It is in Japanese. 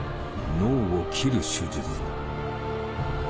脳を切る手術だ。